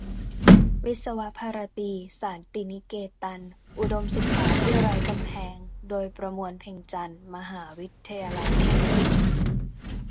"วิศวภารตี-ศานตินิเกตัน : อุดมศึกษาที่ไร้กำแพง" โดย ประมวล เพ็งจันทร์ มหาวิทยาลัยเที่ยงคืน